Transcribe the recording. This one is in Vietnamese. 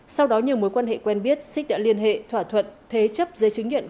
sau đó nhiều mối quan hệ quen biết xích đã liên hệ thỏa thuận thế chấp giấy chứng nhận